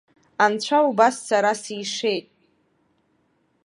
Анцәа убас сара сишеит.